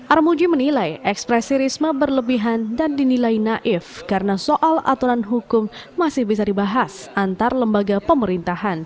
armuji menilai ekspresi risma berlebihan dan dinilai naif karena soal aturan hukum masih bisa dibahas antar lembaga pemerintahan